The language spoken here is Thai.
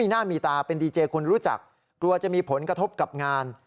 หน้ามีตาเป็นดีเจคนรู้จักกลัวจะมีผลกระทบกับงาน